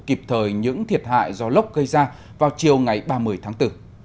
kịp thời những thiệt hại do lốc gây ra vào chiều ngày ba mươi tháng bốn